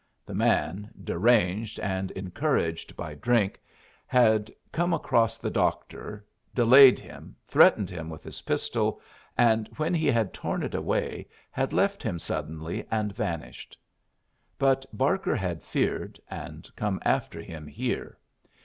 The man, deranged and encouraged by drink, had come across the doctor, delayed him, threatened him with his pistol, and when he had torn it away, had left him suddenly and vanished. But Barker had feared, and come after him here.